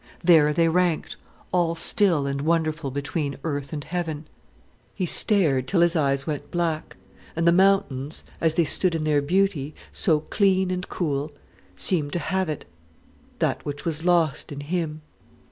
There they ranked, all still and wonderful between earth and heaven. He stared till his eyes went black, and the mountains, as they stood in their beauty, so clean and cool, seemed to have it, that which was lost in him.